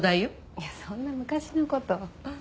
いやそんな昔の事。